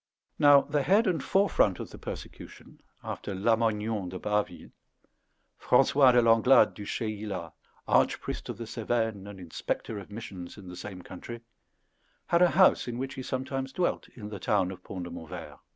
Now the head and forefront of the persecution after Lamoignon de Bâvile François de Langlade du Chayla (pronounce Chéïla), Archpriest of the Cevennes and Inspector of Missions in the same country, had a house in which he sometimes dwelt in the town of Pont de Montvert.